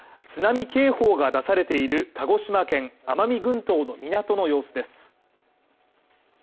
津波警報が出されている鹿児島県奄美群島の港の様子です